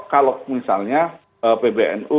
kalau misalnya pbnu